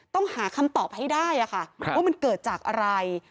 ต้องหาคำตอบให้ได้ค่ะว่ามันเกิดจากอะไร